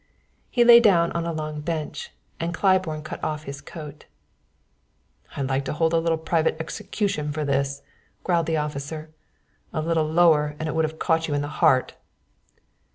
He lay down on a long bench and Claiborne cut off his coat. "I'd like to hold a little private execution for this," growled the officer. "A little lower and it would have caught you in the heart."